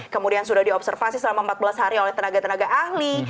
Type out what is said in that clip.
kemudian sudah diobservasi selama empat belas hari oleh tenaga tenaga ahli